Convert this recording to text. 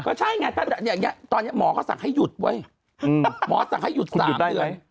ก็ใช่ไงตอนนี้หมอก็สั่งให้หยุดเว้ยหมอสั่งให้หยุด๓เดือน